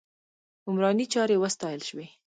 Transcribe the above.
عمراني چارې وستایل شوې.